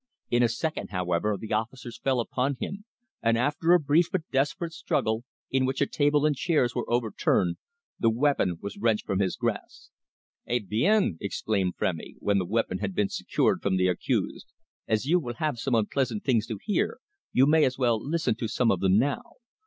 In a second, however, the officers fell upon him, and after a brief but desperate struggle, in which a table and chairs were overturned, the weapon was wrenched from his grasp. "Eh! bien," exclaimed Frémy, when the weapon had been secured from the accused. "As you will have some unpleasant things to hear, you may as well listen to some of them now.